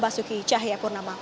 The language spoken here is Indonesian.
basuki cahaya purnama